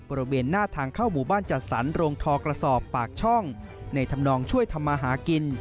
บริเวณหน้าทางเข้าหมู่บ้านจัดสรรโรงทอกระสอบปากช่องในธรรมนองช่วยทำมาหากิน